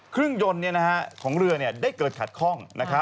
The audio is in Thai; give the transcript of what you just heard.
ครึ่งยนต์ของเรือได้เกิดขาดคล่อง